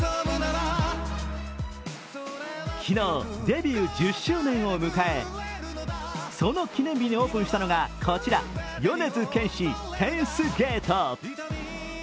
昨日、デビュー１０周年を迎え、その記念日にオープンしたのがこちら米津玄師１０ｔｈゲート。